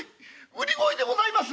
売り声でございます」。